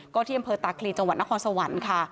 ก็ที่อำเภอตาคลีจังหวัดนครสวรรค์ค่ะ